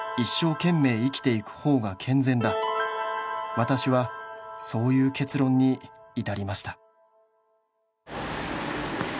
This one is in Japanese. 「私はそういう結論に至りました」